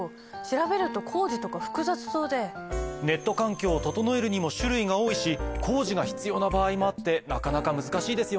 ネット環境を整えるにも種類が多いし工事が必要な場合もあってなかなか難しいですよね。